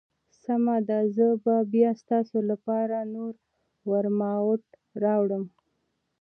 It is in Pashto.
سمه ده، زه به بیا ستاسو لپاره نور ورماوټ راوړم.